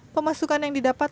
pemasukan yang didapat